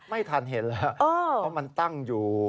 ไม่ทันเห็นเหรอว่ามันตั้งอยู่